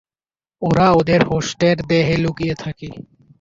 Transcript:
ওরা ওদের হোস্টের দেহে লুকিয়ে থাকে।